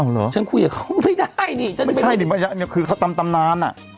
อ้าวเหรอไม่ได้นี่ฉันไม่รู้คือเขาตามตำนานอ่ะตามตำนาน